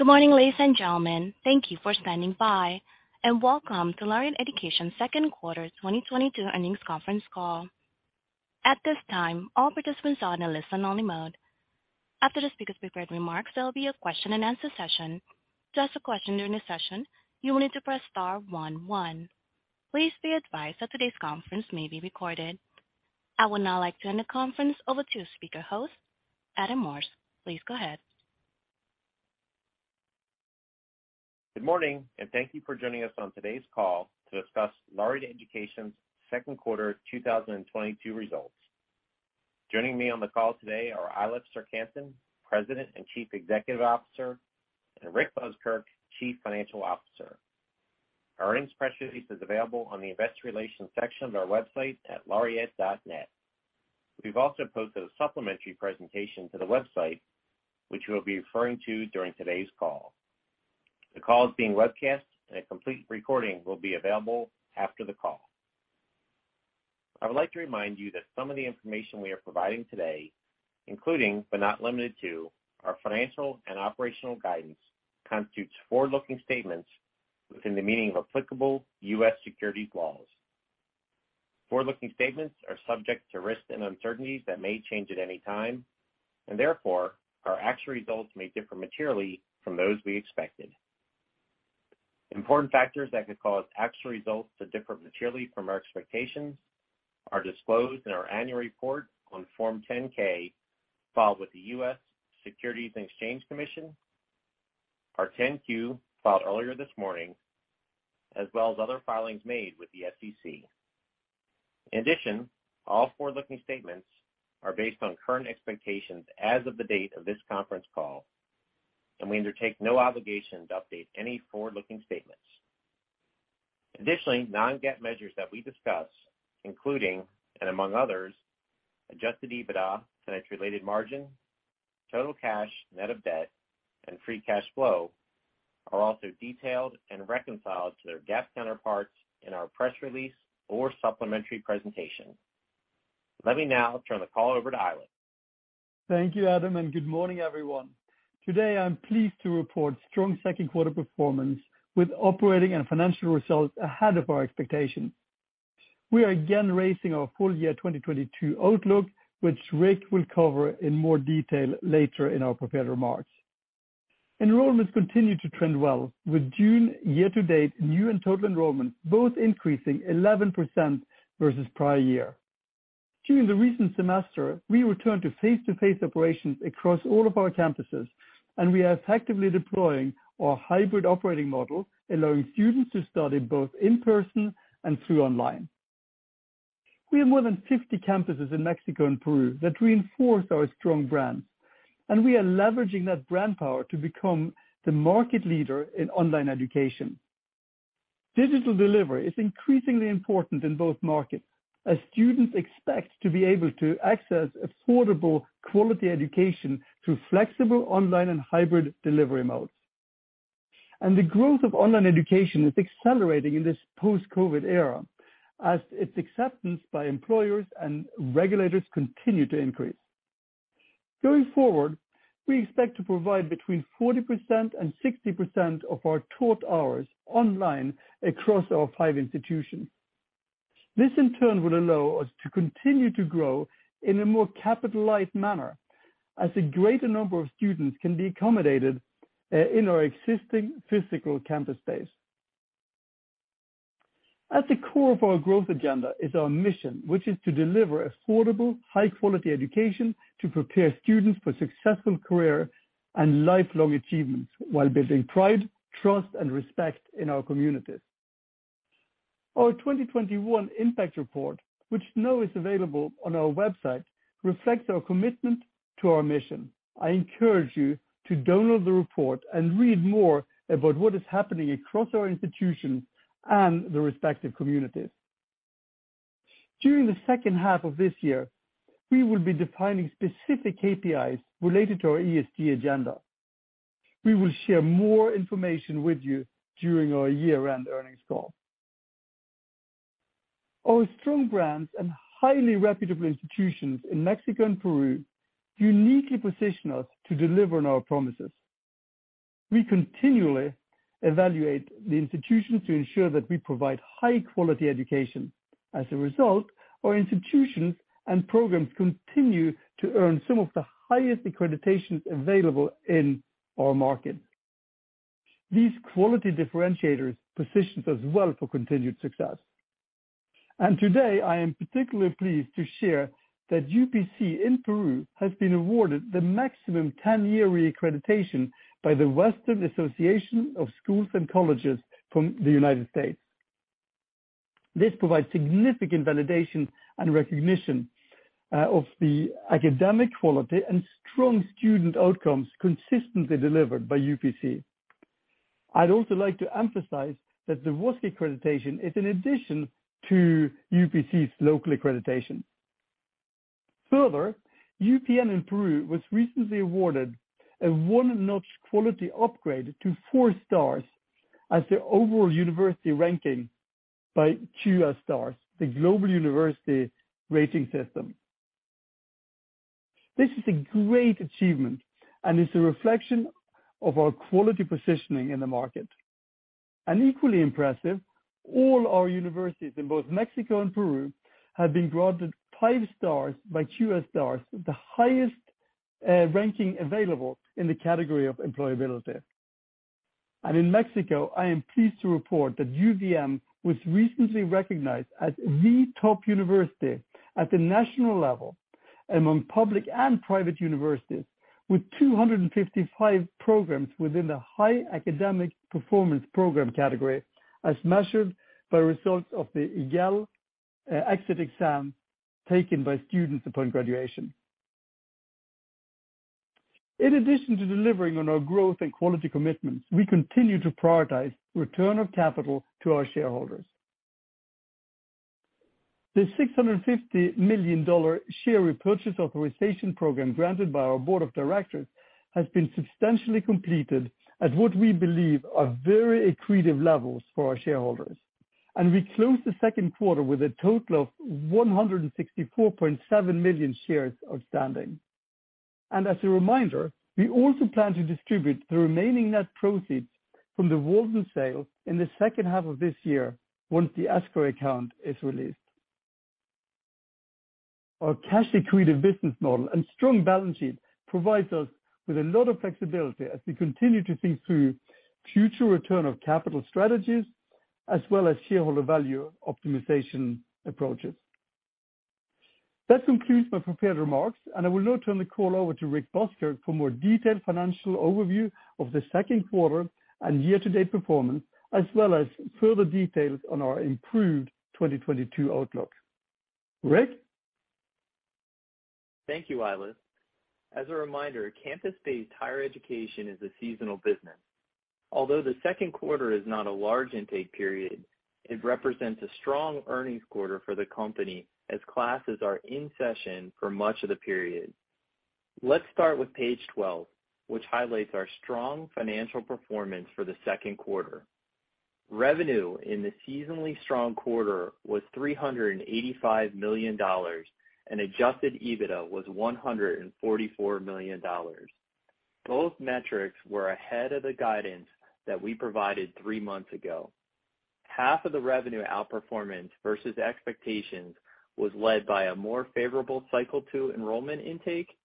Good morning, ladies and gentlemen. Thank you for standing by, and welcome to Laureate Education second quarter 2022 earnings conference call. At this time, all participants are in a listen only mode. After the speaker's prepared remarks, there'll be a question-and-answer session. To ask a question during the session, you will need to press star one one. Please be advised that today's conference may be recorded. I would now like to turn the conference over to speaker host, Adam Morse. Please go ahead. Good morning, and thank you for joining us on today's call to discuss Laureate Education's second quarter 2022 results. Joining me on the call today are Eilif Serck-Hanssen, President and Chief Executive Officer, and Rick Buskirk, Chief Financial Officer. Our earnings press release is available on the investor relations section of our website at laureate.net. We've also posted a supplementary presentation to the website which we'll be referring to during today's call. The call is being webcast, and a complete recording will be available after the call. I would like to remind you that some of the information we are providing today, including, but not limited to our financial and operational guidance, constitutes forward-looking statements within the meaning of applicable U.S. securities laws. Forward-looking statements are subject to risks and uncertainties that may change at any time, and therefore, our actual results may differ materially from those we expected. Important factors that could cause actual results to differ materially from our expectations are disclosed in our annual report on Form 10-K filed with the U.S. Securities and Exchange Commission, our 10-Q filed earlier this morning, as well as other filings made with the SEC. In addition, all forward-looking statements are based on current expectations as of the date of this conference call, and we undertake no obligation to update any forward-looking statements. Additionally, non-GAAP measures that we discuss, including and among others, Adjusted EBITDA and its related margin, total cash net of debt, and free cash flow, are also detailed and reconciled to their GAAP counterparts in our press release or supplementary presentation. Let me now turn the call over to Eilif. Thank you, Adam, and good morning, everyone. Today, I'm pleased to report strong second quarter performance with operating and financial results ahead of our expectations. We are again raising our full year 2022 outlook, which Rick will cover in more detail later in our prepared remarks. Enrollments continue to trend well, with June year-to-date new and total enrollment both increasing 11% versus prior year. During the recent semester, we returned to face-to-face operations across all of our campuses, and we are effectively deploying our hybrid operating model, allowing students to study both in person and through online. We have more than 50 campuses in Mexico and Peru that reinforce our strong brands, and we are leveraging that brand power to become the market leader in online education. Digital delivery is increasingly important in both markets as students expect to be able to access affordable quality education through flexible online and hybrid delivery modes. The growth of online education is accelerating in this post-COVID era as its acceptance by employers and regulators continue to increase. Going forward, we expect to provide between 40% and 60% of our taught hours online across our five institutions. This, in turn, will allow us to continue to grow in a more capitalized manner as a greater number of students can be accommodated in our existing physical campus space. At the core of our growth agenda is our mission, which is to deliver affordable, high quality education to prepare students for successful career and lifelong achievements while building pride, trust, and respect in our communities. Our 2021 impact report, which now is available on our website, reflects our commitment to our mission. I encourage you to download the report and read more about what is happening across our institutions and the respective communities. During the second half of this year, we will be defining specific KPIs related to our ESG agenda. We will share more information with you during our year-end earnings call. Our strong brands and highly reputable institutions in Mexico and Peru uniquely position us to deliver on our promises. We continually evaluate the institutions to ensure that we provide high-quality education. As a result, our institutions and programs continue to earn some of the highest accreditations available in our market. These quality differentiators position us well for continued success. Today, I am particularly pleased to share that UPC in Peru has been awarded the maximum ten-year reaccreditation by the Western Association of Schools and Colleges from the United States. This provides significant validation and recognition of the academic quality and strong student outcomes consistently delivered by UPC. I'd also like to emphasize that the WASC accreditation is an addition to UPC's local accreditation. Further, UPN in Peru was recently awarded a one-notch quality upgrade to four stars in their overall university ranking by QS Stars, the global university rating system. This is a great achievement, and it's a reflection of our quality positioning in the market. Equally impressive, all our universities in both Mexico and Peru have been granted five stars by QS Stars, the highest ranking available in the category of employability. In Mexico, I am pleased to report that UVM was recently recognized as the top university at the national level among public and private universities, with 255 programs within the high academic performance program category, as measured by results of the EGEL exit exam taken by students upon graduation. In addition to delivering on our growth and quality commitments, we continue to prioritize return of capital to our shareholders. The $650 million share repurchase authorization program granted by our board of directors has been substantially completed at what we believe are very accretive levels for our shareholders. We closed the second quarter with a total of 164.7 million shares outstanding. As a reminder, we also plan to distribute the remaining net proceeds from the Walden sale in the second half of this year once the escrow account is released. Our cash accretive business model and strong balance sheet provides us with a lot of flexibility as we continue to think through future return of capital strategies, as well as shareholder value optimization approaches. That concludes my prepared remarks, and I will now turn the call over to Rick Buskirk for more detailed financial overview of the second quarter and year-to-date performance, as well as further details on our improved 2022 outlook. Rick? Thank you, Eilif. As a reminder, campus-based higher education is a seasonal business. Although the second quarter is not a large intake period, it represents a strong earnings quarter for the company as classes are in session for much of the period. Let's start with page 12, which highlights our strong financial performance for the second quarter. Revenue in the seasonally strong quarter was $385 million, and Adjusted EBITDA was $144 million. Both metrics were ahead of the guidance that we provided three months ago. Half of the revenue outperformance versus expectations was led by a more favorable cycle two enrollment intake,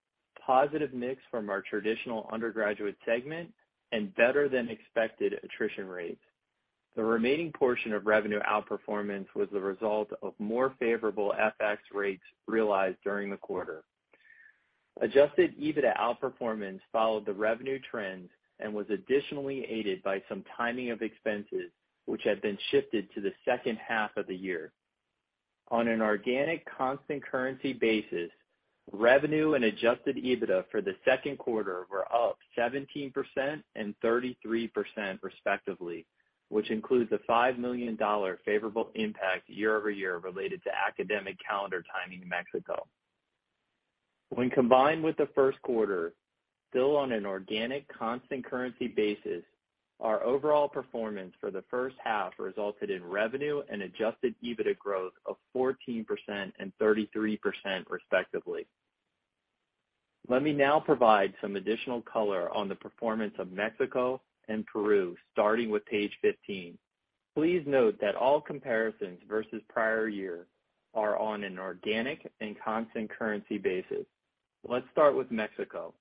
positive mix from our traditional undergraduate segment, and better than expected attrition rates. The remaining portion of revenue outperformance was the result of more favorable FX rates realized during the quarter. Adjusted EBITDA outperformance followed the revenue trends and was additionally aided by some timing of expenses, which had been shifted to the second half of the year. On an organic constant currency basis, revenue and Adjusted EBITDA for the second quarter were up 17% and 33% respectively, which includes a $5 million favorable impact year over year related to academic calendar timing in Mexico. When combined with the first quarter, still on an organic constant currency basis, our overall performance for the first half resulted in revenue and Adjusted EBITDA growth of 14% and 33% respectively. Let me now provide some additional color on the performance of Mexico and Peru, starting with page 15. Please note that all comparisons versus prior year are on an organic and constant currency basis. Let's start with Mexico.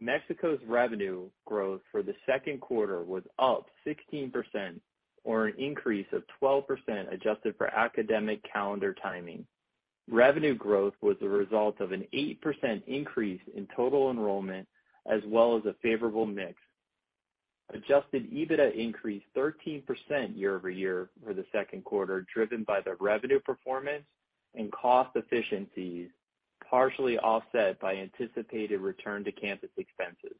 Mexico's revenue growth for the second quarter was up 16% or an increase of 12% adjusted for academic calendar timing. Revenue growth was the result of an 8% increase in total enrollment as well as a favorable mix. Adjusted EBITDA increased 13% year-over-year for the second quarter, driven by the revenue performance and cost efficiencies, partially offset by anticipated return to campus expenses.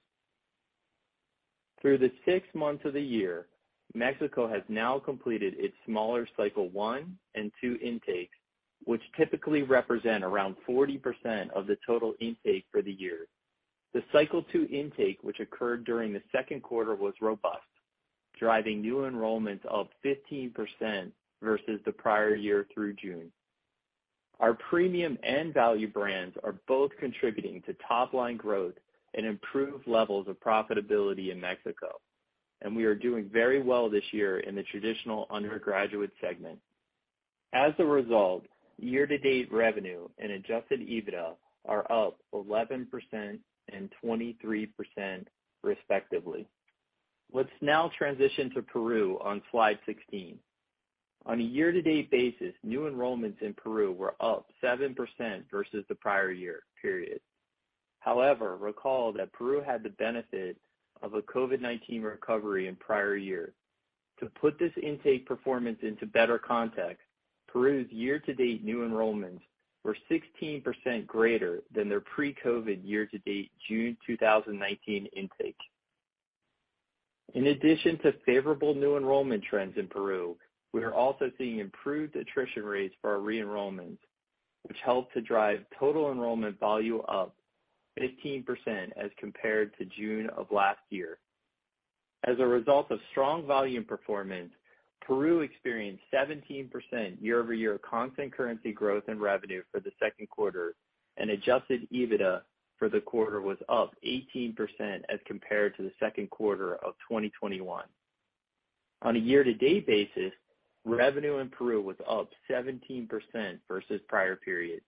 Through the six months of the year, Mexico has now completed its smaller cycle one and two intakes, which typically represent around 40% of the total intake for the year. The cycle two intake, which occurred during the second quarter, was robust, driving new enrollments of 15% versus the prior year through June. Our premium and value brands are both contributing to top line growth and improved levels of profitability in Mexico, and we are doing very well this year in the traditional undergraduate segment. As a result, year-to-date revenue and Adjusted EBITDA are up 11% and 23% respectively. Let's now transition to Peru on slide 16. On a year-to-date basis, new enrollments in Peru were up 7% versus the prior year period. However, recall that Peru had the benefit of a COVID-19 recovery in prior years. To put this intake performance into better context, Peru's year-to-date new enrollments were 16% greater than their pre-COVID year-to-date June 2019 intake. In addition to favorable new enrollment trends in Peru, we are also seeing improved attrition rates for our re-enrollments, which helped to drive total enrollment volume up 15% as compared to June of last year. As a result of strong volume performance, Peru experienced 17% year-over-year constant currency growth in revenue for the second quarter, and Adjusted EBITDA for the quarter was up 18% as compared to the second quarter of 2021. On a year-to-date basis, revenue in Peru was up 17% versus prior periods.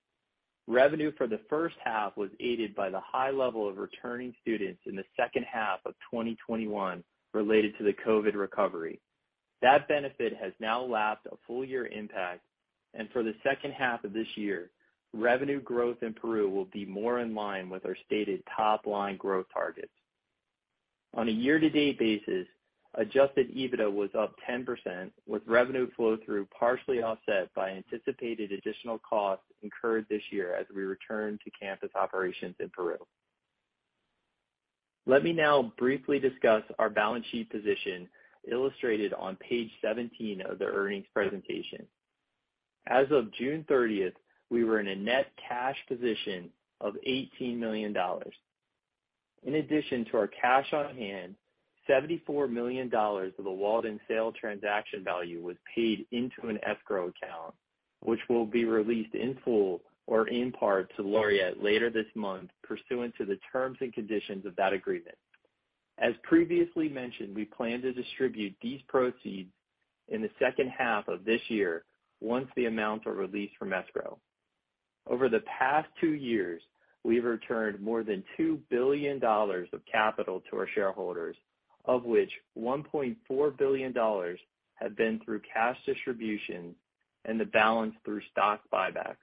Revenue for the first half was aided by the high level of returning students in the second half of 2021 related to the COVID recovery. That benefit has now lapsed a full year impact, and for the second half of this year, revenue growth in Peru will be more in line with our stated top-line growth targets. On a year-to-date basis, Adjusted EBITDA was up 10%, with revenue flow through partially offset by anticipated additional costs incurred this year as we return to campus operations in Peru. Let me now briefly discuss our balance sheet position illustrated on page 17 of the earnings presentation. As of June 30, we were in a net cash position of $18 million. In addition to our cash on hand, $74 million of the Walden sale transaction value was paid into an escrow account, which will be released in full or in part to Laureate later this month pursuant to the terms and conditions of that agreement. As previously mentioned, we plan to distribute these proceeds in the second half of this year once the amounts are released from escrow. Over the past 2 years, we have returned more than $2 billion of capital to our shareholders, of which $1.4 billion have been through cash distributions and the balance through stock buybacks.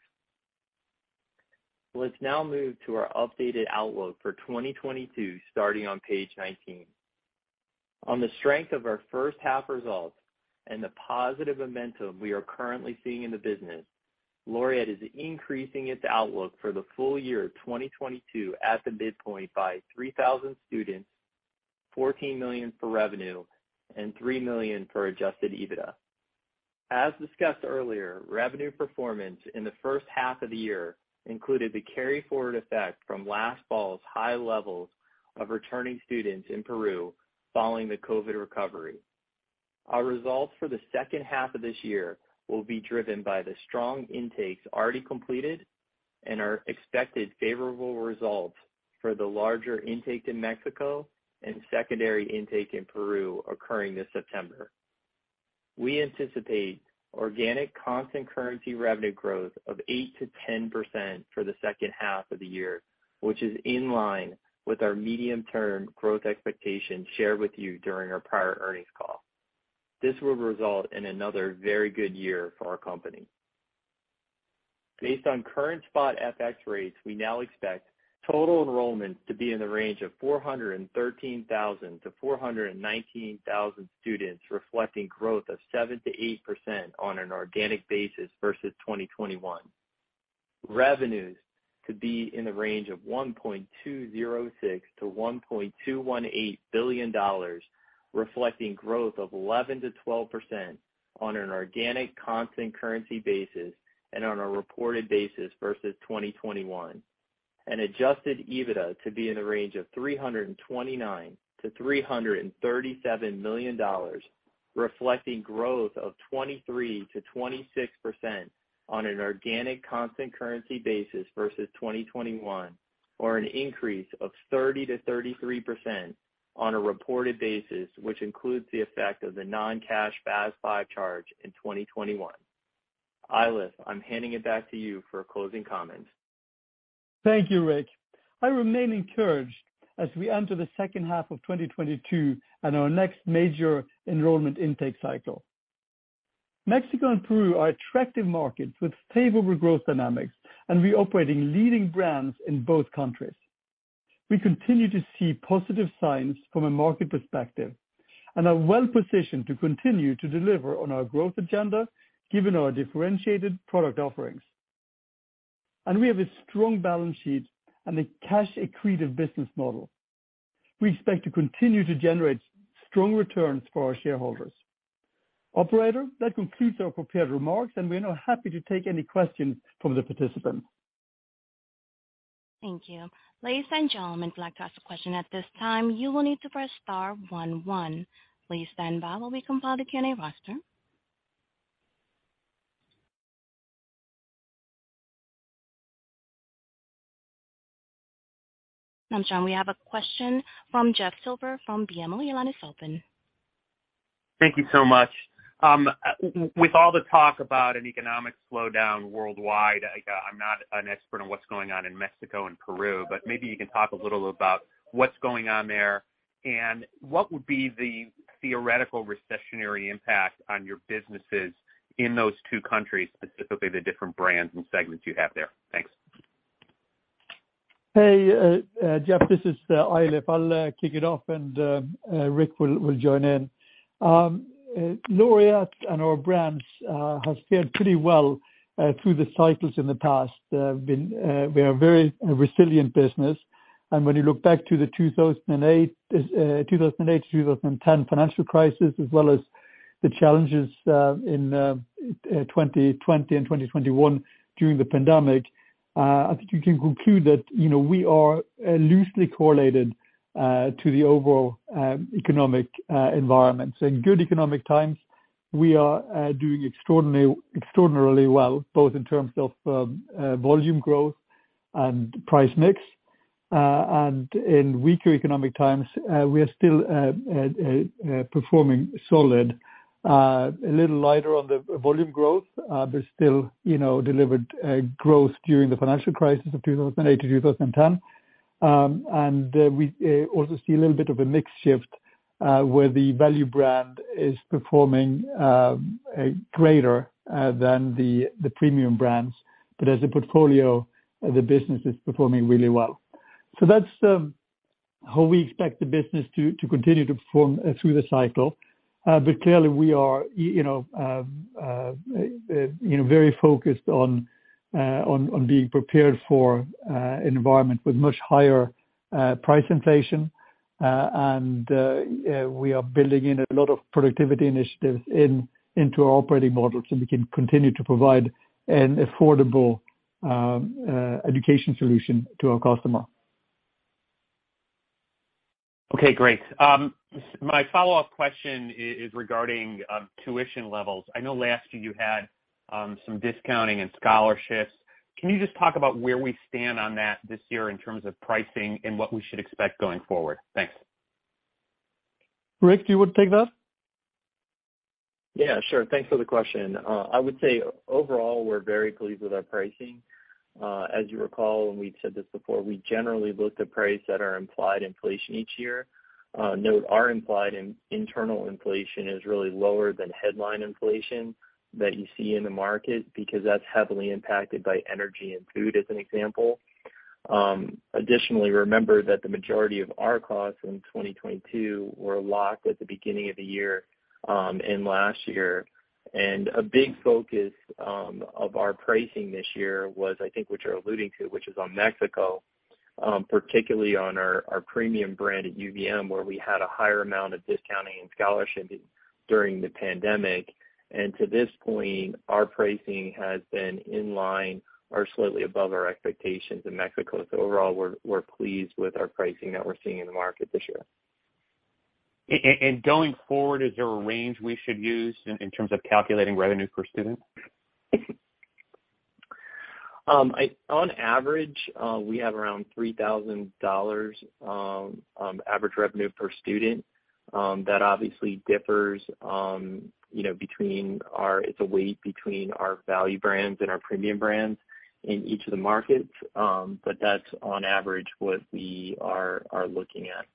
Let's now move to our updated outlook for 2022, starting on page 19. On the strength of our first half results and the positive momentum we are currently seeing in the business, Laureate is increasing its outlook for the full year of 2022 at the midpoint by 3,000 students, $14 million for revenue, and $3 million for Adjusted EBITDA. As discussed earlier, revenue performance in the first half of the year included the carry-forward effect from last fall's high levels of returning students in Peru following the COVID recovery. Our results for the second half of this year will be driven by the strong intakes already completed and our expected favorable results for the larger intake in Mexico and secondary intake in Peru occurring this September. We anticipate organic constant currency revenue growth of 8%-10% for the second half of the year, which is in line with our medium-term growth expectations shared with you during our prior earnings call. This will result in another very good year for our company. Based on current spot FX rates, we now expect total enrollments to be in the range of 413,000-419,000 students, reflecting growth of 7%-8% on an organic basis versus 2021. Revenues to be in the range of $1.206-$1.218 billion, reflecting growth of 11%-12% on an organic constant currency basis and on a reported basis versus 2021. Adjusted EBITDA to be in the range of $329 million-$337 million, reflecting growth of 23%-26% on an organic constant currency basis versus 2021, or an increase of 30%-33% on a reported basis, which includes the effect of the non-cash FASB charge in 2021. Eilif, I'm handing it back to you for closing comments. Thank you, Rick. I remain encouraged as we enter the second half of 2022 and our next major enrollment intake cycle. Mexico and Peru are attractive markets with stable regrowth dynamics, and we're operating leading brands in both countries. We continue to see positive signs from a market perspective, and are well positioned to continue to deliver on our growth agenda given our differentiated product offerings. We have a strong balance sheet and a cash accretive business model. We expect to continue to generate strong returns for our shareholders. Operator, that concludes our prepared remarks, and we're now happy to take any questions from the participants. Thank you. Ladies and gentlemen, if you'd like to ask a question at this time, you will need to press star one one. Please stand by while we compile the Q&A roster. I'm sorry, we have a question from Jeff Silber from BMO. Your line is open. Thank you so much. With all the talk about an economic slowdown worldwide, like I'm not an expert on what's going on in Mexico and Peru, but maybe you can talk a little about what's going on there and what would be the theoretical recessionary impact on your businesses in those two countries, specifically the different brands and segments you have there. Thanks. Hey, Jeff, this is Eilif. I'll kick it off and Rick will join in. Laureate and our brands have fared pretty well through the cycles in the past. We are a very resilient business. When you look back to the 2008 to 2010 financial crisis, as well as the challenges in 2020 and 2021 during the pandemic, I think you can conclude that, you know, we are loosely correlated to the overall economic environment. In good economic times, we are doing extraordinarily well, both in terms of volume growth and price mix. In weaker economic times, we are still performing solid, a little lighter on the volume growth, but still, you know, delivered growth during the financial crisis of 2008 to 2010. We also see a little bit of a mix shift, where the value brand is performing greater than the premium brands. As a portfolio, the business is performing really well. That's how we expect the business to continue to perform through the cycle. Clearly we are, you know, very focused on being prepared for an environment with much higher price inflation. We are building in a lot of productivity initiatives into our operating models, so we can continue to provide an affordable education solution to our customer. Okay, great. My follow-up question is regarding tuition levels. I know last year you had some discounting and scholarships. Can you just talk about where we stand on that this year in terms of pricing and what we should expect going forward? Thanks. Rick, do you want to take that? Yeah, sure. Thanks for the question. I would say overall, we're very pleased with our pricing. As you recall, and we've said this before, we generally look to price at our implied inflation each year. Note our implied internal inflation is really lower than headline inflation that you see in the market, because that's heavily impacted by energy and food, as an example. Additionally, remember that the majority of our costs in 2022 were locked at the beginning of the year, in last year. A big focus of our pricing this year was, I think, what you're alluding to, which is on Mexico, particularly on our premium brand at UVM, where we had a higher amount of discounting and scholarship during the pandemic. To this point, our pricing has been in line or slightly above our expectations in Mexico. Overall, we're pleased with our pricing that we're seeing in the market this year. Going forward, is there a range we should use in terms of calculating revenue per student? On average, we have around $3,000 average revenue per student. That obviously differs, you know, between our value brands and our premium brands in each of the markets. That's on average what we are looking at.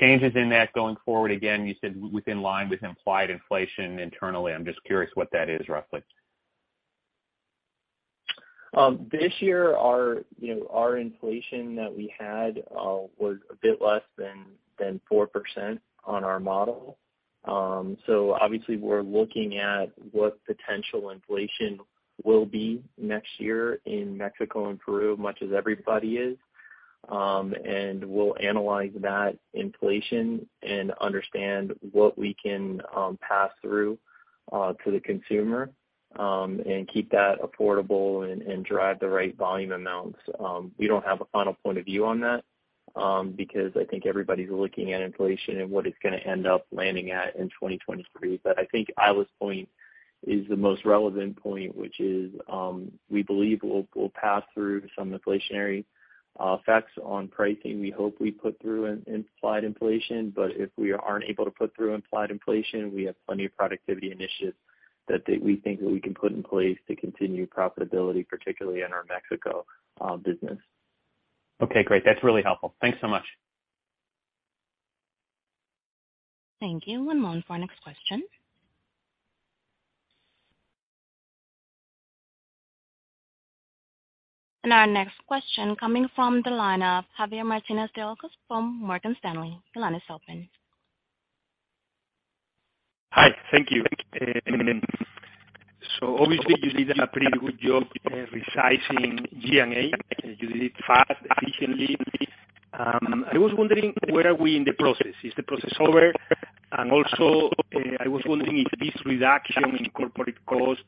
Changes in that going forward, again, you said in line with implied inflation internally. I'm just curious what that is roughly. This year, our you know our inflation that we had was a bit less than 4% on our model. Obviously we're looking at what potential inflation will be next year in Mexico and Peru, much as everybody is. We'll analyze that inflation and understand what we can pass through to the consumer and keep that affordable and drive the right volume amounts. We don't have a final point of view on that because I think everybody's looking at inflation and what it's gonna end up landing at in 2023. I think Eilif's point is the most relevant point, which is we believe we'll pass through some inflationary effects on pricing. We hope we put through an implied inflation. If we aren't able to put through implied inflation, we have plenty of productivity initiatives that we think that we can put in place to continue profitability, particularly in our Mexico business. Okay, great. That's really helpful. Thanks so much. Thank you. One moment for our next question. Our next question coming from the line of Mauricio Cepeda from Morgan Stanley. The line is open. Hi, thank you. So obviously you did a pretty good job resizing G&A. You did it fast, efficiently. I was wondering, where are we in the process? Is the process over? I was wondering if this reduction in corporate costs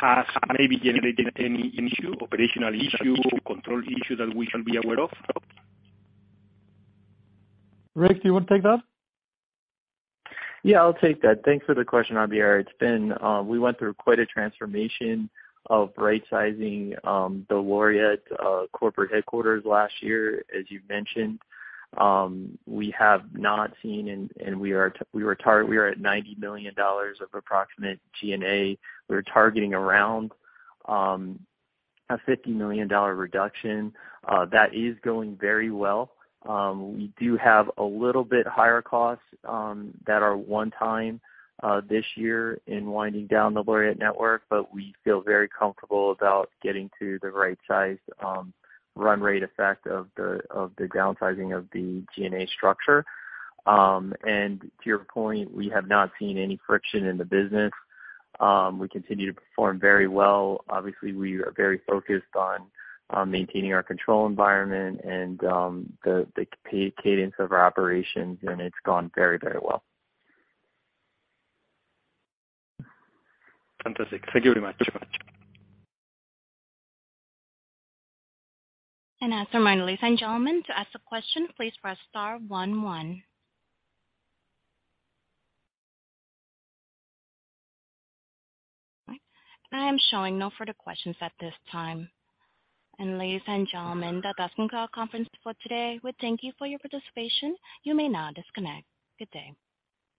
has maybe generated any issue, operational issue, control issue that we should be aware of. Rick, do you wanna take that? Yeah, I'll take that. Thanks for the question, Mauricio Cepeda. It's been. We went through quite a transformation of rightsizing the Laureate corporate headquarters last year, as you've mentioned. We have not seen. We are at approximately $90 million of G&A. We're targeting around a $50 million reduction. That is going very well. We do have a little bit higher costs that are one-time this year in winding down the Laureate network. We feel very comfortable about getting to the right size run rate effect of the downsizing of the G&A structure. To your point, we have not seen any friction in the business. We continue to perform very well. Obviously, we are very focused on maintaining our control environment and the pace and cadence of our operations, and it's gone very, very well. Fantastic. Thank you very much. As a reminder, ladies and gentlemen, to ask a question, please press star one one. I am showing no further questions at this time. Ladies and gentlemen, the conference for today, we thank you for your participation. You may now disconnect. Good day.